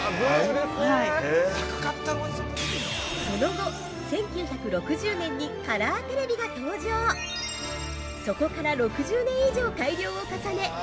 ◆その後、１９６０年にカラーテレビが登場そこから６０年以上改良を重ね